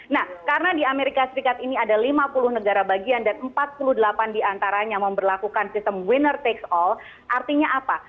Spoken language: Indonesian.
nah karena di amerika serikat ini ada lima puluh negara bagian dan empat puluh delapan diantaranya memperlakukan sistem winner tax all artinya apa